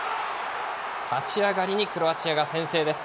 立ち上がりにクロアチアが先制です。